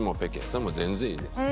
それも全然いいです。